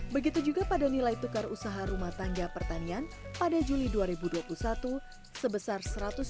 begitu juga pada nilai tukar usaha rumah tangga pertanian pada juli dua ribu dua puluh satu sebesar satu ratus dua puluh